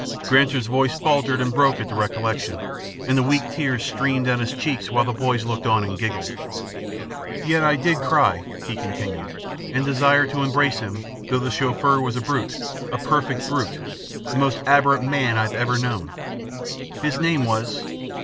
Granser's voice faltered and broke at the recollection, and the weak tears streamed down his cheeks while the boys looked on and giggled. "Yet did I cry," he continued, "and desire to embrace him, though the Chauffeur was a brute, a perfect brute the most abhorrent man I have ever known. His name was...